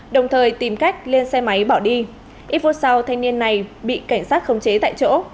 đồng thời tìm cách lên xe máy bỏ đi ít phút sau thanh niên này bị cảnh sát khống chế tại chỗ